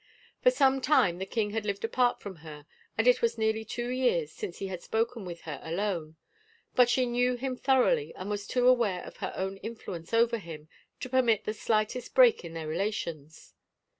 For some time the king had lived apart from her and it was nearly two years since he had spoken with her alone, but she knew him thoroughly and was too aware of her own influence over him to permit the slightest break in their relations.